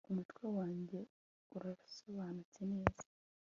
umutwe wanjye urasobanutse neza